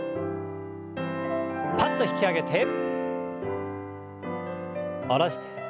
パッと引き上げて下ろして。